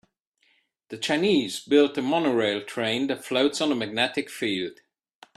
The Chinese built a monorail train that floats on a magnetic field.